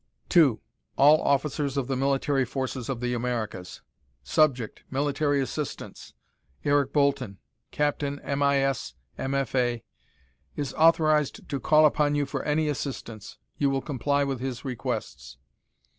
"To: All Officers of the Military Forces of the Americas. Subject: Military Assistance. Eric Bolton, Captain M.I.S., M.F.A. is authorized to call upon you for any assistance. You will comply with his requests.